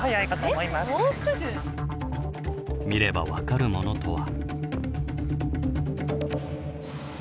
見れば分かるものとは。